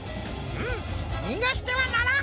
うむにがしてはならん！